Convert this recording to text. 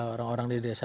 orang orang di desa